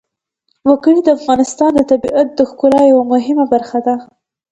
وګړي د افغانستان د طبیعت د ښکلا یوه مهمه برخه ده.